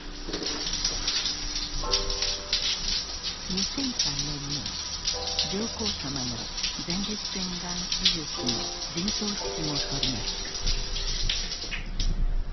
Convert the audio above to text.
２００３年には上皇さまの前立腺がん手術の陣頭指揮も執りました。